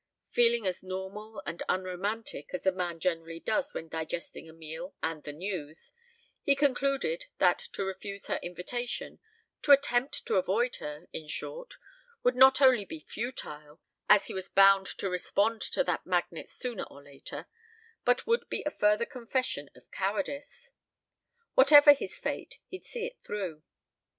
Feeling as normal and unromantic as a man generally does when digesting a meal and the news, he concluded that to refuse her invitation, to attempt to avoid her, in short, would not only be futile, as he was bound to respond to that magnet sooner or later, but would be a further confession of cowardice. Whatever his fate, he'd see it through.